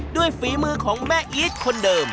ฝีมือของแม่อีทคนเดิม